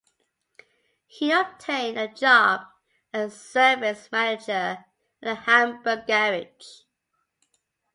He obtained a job as a service manager at a Hamburg garage.